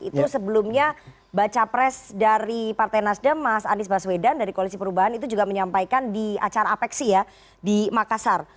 itu sebelumnya baca pres dari partai nasdem mas anies baswedan dari koalisi perubahan itu juga menyampaikan di acara apeksi ya di makassar